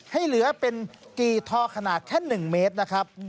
ให้เหลือเป็นกี่ทอขนาดแค่๑เมตรนะครับ